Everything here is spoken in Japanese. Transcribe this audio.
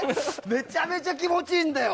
めちゃめちゃ気持ちいいんだよ。